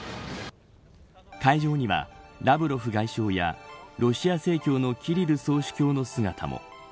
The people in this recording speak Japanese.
会場には、ラブロフ外相やロシア正教のキリル総主教の姿も。